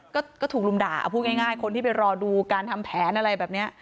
ก็ถูกลุมด่าเอาพูดง่ายคนที่ไปรอดูการทำแผนอะไรแบบนี้